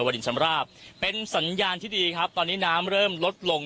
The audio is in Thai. ดินชำราบเป็นสัญญาณที่ดีครับตอนนี้น้ำเริ่มลดลง